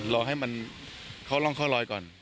รอให้มันเข้าร่องเข้ารอยก่อน